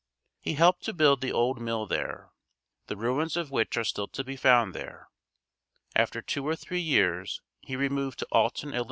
He helped to build the old mill there, the ruins of which are still to be found there. After two or three years he removed to Alton, Ill.